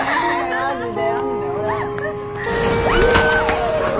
マジで！